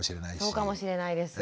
そうかもしれないです。